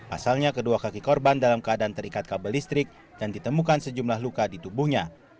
asalnya kedua kaki korban dalam keadaan terikat kabel listrik dan ditemukan sejumlah luka di tubuhnya